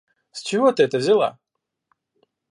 С чего ты это взяла?